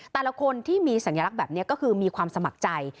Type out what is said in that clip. แต่ละคนที่มีสัญลักษณ์แบบนี้ก็คือมีความสมัครใจ